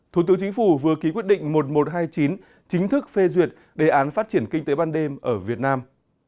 thủ tướng chính phủ vừa ký quyết định một nghìn một trăm hai mươi chín chính thức phê duyệt đề án phát triển kinh tế ban đêm ở việt nam